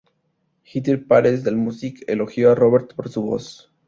Heather Phares de Allmusic elogió a Roberts por su voz.